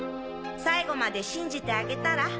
最後まで信じてあげたら？